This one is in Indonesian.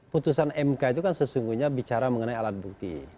putusan mk itu kan sesungguhnya bicara mengenai alat bukti